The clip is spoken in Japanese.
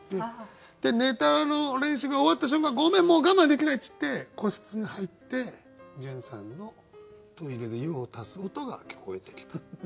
ネタの練習が終わった瞬間「ごめんもう我慢できない」って言って個室に入って潤さんのトイレで用を足す音が聞こえてきたっていう。